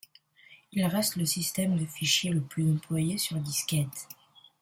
Il reste le système de fichiers le plus employé sur disquette.